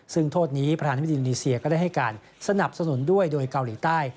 ซึ่งโทษนี้ประธานธิบดีอินดีเซียก็ได้ให้การสนับสนุนด้วยโดยเกาหลีใต้